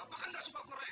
apakah anda suka kore